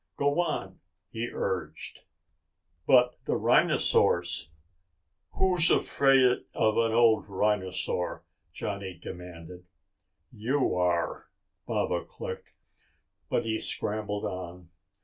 "Go on," he urged. "But the rhinosaurs...." "Who's afraid of an old rhinosaur?" Johnny demanded. "You are," Baba clicked. But he scrambled on.